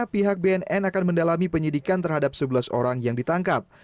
pihak bnn akan mendalami penyidikan terhadap sebelas orang yang ditangkap